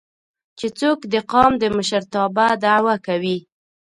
چې څوک د قام د مشرتابه دعوه کوي